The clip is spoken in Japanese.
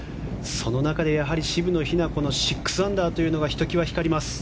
その中で渋野日向子の６アンダーというのがひときわ光ります。